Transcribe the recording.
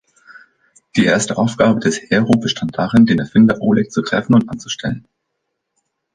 Die erste Aufgabe des Hero besteht darin, den Erfinder Oleg zu treffen und anzustellen.